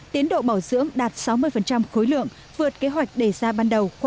tiến độ bảo dưỡng đạt sáu mươi khối lượng vượt kế hoạch đề ra